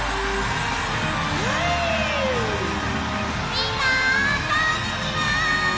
みんなこんにちは！